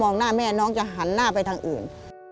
หน้าแม่น้องจะหันหน้าไปทางอื่น